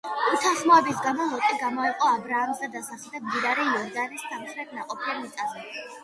უთანხმოების გამო ლოტი გამოეყო აბრაამს და დასახლდა მდინარე იორდანეს სამხრეთ ნაყოფიერ მიწაზე.